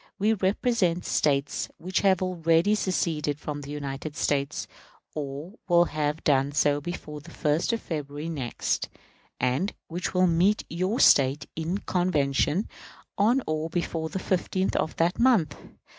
We represent States which have already seceded from the United States, or will have done so before the 1st of February next, and which will meet your State in convention on or before the 15th of that month.